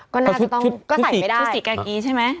ก็น่าจะต้องก็ใส่ไม่ได้คือสีกากี้ใช่ไหม